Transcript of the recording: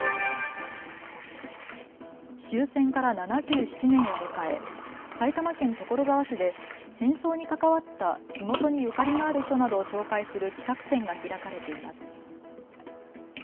終戦から７７年を迎え埼玉県所沢市で戦争に関わった地元にゆかりがある人などを紹介する企画展が開かれています。